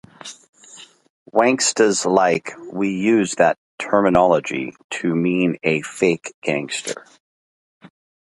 'Wanksta's like... we use that terminology to mean a fake gangster.